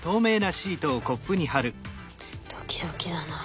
ドキドキだな。